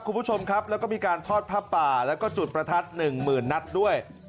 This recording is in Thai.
คุณผู้ชมครับแล้วก็มีการทอดผ้าป่าแล้วก็จุดประทัดหนึ่งหมื่นนัดด้วย